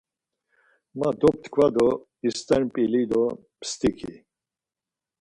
Ma doptkva do ist̆er p̌ili do mst̆iki